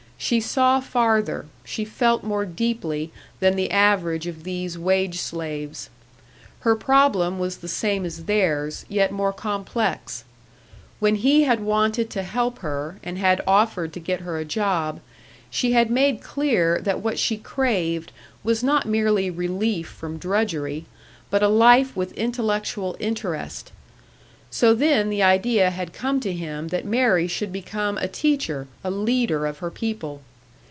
She saw farther, she felt more deeply than the average of these wage slaves. Her problem was the same as theirs, yet more complex. When he had wanted to help her and had offered to get her a job, she had made clear that what she craved was not merely relief from drudgery, but a life with intellectual interest. So then the idea had come to him that Mary should become a teacher, a leader of her people.